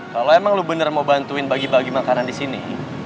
kalau emang lo bener mau bantuin bagi bagi makanan di sini